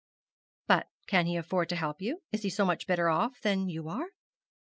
'But can he afford to help you? is he so much better off than you are?'